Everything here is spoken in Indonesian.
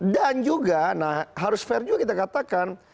dan juga harus fair juga kita katakan